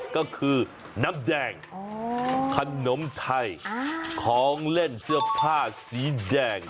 ก็คือน้ำแดงขนมไทยของเล่นเสื้อผ้าสีแดง